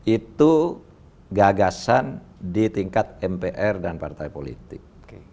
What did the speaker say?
itu gagasan di tingkat mpr dan partai politik